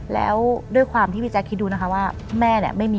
แล้วด้วยความที่พี่แจ๊คคิดดูนะคะว่า